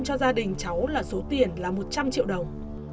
cho gia đình cháu là số tiền là một trăm linh triệu đồng